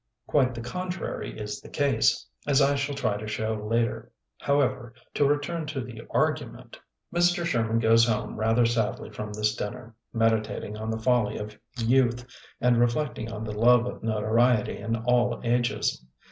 Quite the contrary is the case, as I shall try to show later. However, to return to the argument Mr. Sherman goes home rather sadly from this dinner, meditating on the folly of youth and reflecting on the love of notoriety in aU ages.